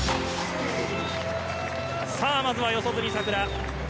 まずは四十住さくら。